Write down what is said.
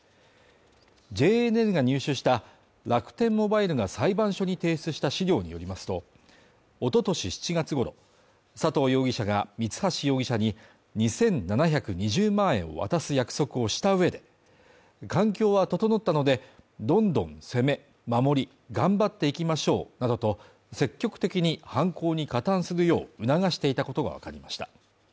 ＪＮＮが入手した楽天モバイルが裁判所に提出した資料によりますと、おととし７月ごろ佐藤容疑者が三橋容疑者に２７２０万円を渡す約束をした上で、環境は整ったので、どんどん攻め・守り頑張っていきましょうなどと積極的に犯行に加担するよう促していたことがわかりました。